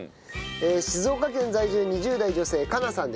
静岡県在住２０代女性加奈さんです。